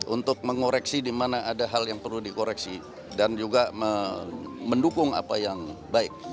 untuk mengoreksi di mana ada hal yang perlu dikoreksi dan juga mendukung apa yang baik